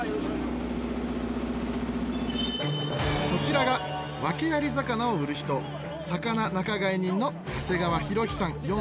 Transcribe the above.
こちらがワケアリ魚を売る人魚仲買人の長谷川大樹さん